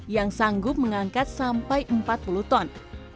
yang sanggup mengangkat sampai empat puluh ton